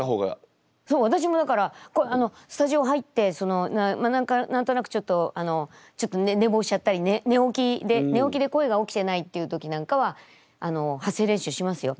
そう私もだからスタジオ入って何となくちょっとちょっと寝坊しちゃったり寝起きで声が起きてないっていう時なんかは発声練習しますよ。